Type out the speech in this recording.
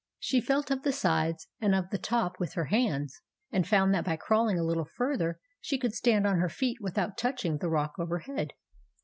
She felt of the sides and of the top with her hands, and found that by crawling a little further she could stand on her feet without touching the rock overhead.